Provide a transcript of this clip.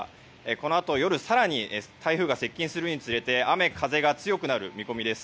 このあと、夜更に台風が接近するにつれて雨風が強くなる見込みです。